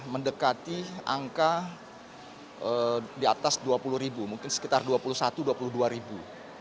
mendekati angka di atas dua puluh ribu mungkin sekitar dua puluh satu dua puluh dua ribu